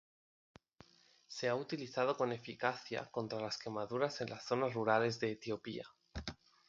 Se ha utilizado con eficacia contra las quemaduras en las zonas rurales de Etiopía.